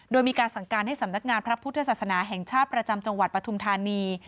โดยมีการสั่งการให้สำนักงานพระพุทธศาสนาแห่งชาติประจำจังหวัดปฐุมธานี